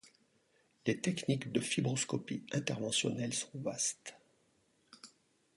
Les techniques de fibroscopie interventionnelle sont vastes.